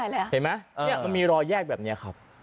เห็นไหมมันมีรอยแยกแบบนี้ครับ